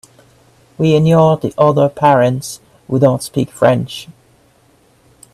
We ignore the other parents who don’t speak French.